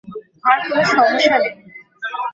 আর কোনো সমস্যা নেই।